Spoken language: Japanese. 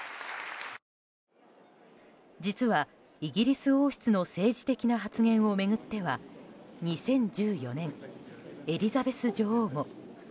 実は、イギリス王室の政治的な発言を巡っては２０１４年、エリザベス女王も。